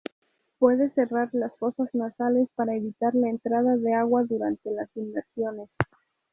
Puede cerrar las fosas nasales para evitar la entrada de agua durante las inmersiones.